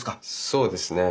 そうですね。